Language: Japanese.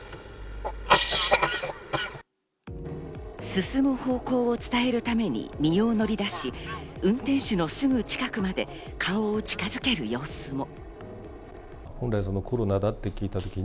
進む方向を伝えるために身を乗り出し、運転手のすぐ近くまで顔を近づける様子も。